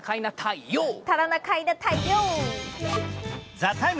「ＴＨＥＴＩＭＥ，」